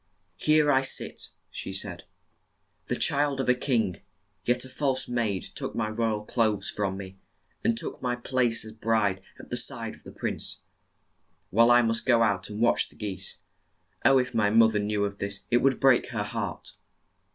'' Here sit I, '' she said, '' the child of a king, yet a false maid took my royal clothes from me, and took my place as bride at the side of the prince, while I must go out and watch the geese. Oh, if my moth er knew of this it would break her heart